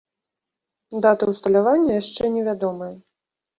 Дата ўсталявання яшчэ невядомая.